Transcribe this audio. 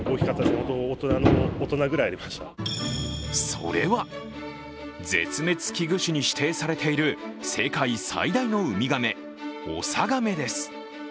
それは、絶滅危惧種に指定されている世界最大のウミガメ、オサガメです。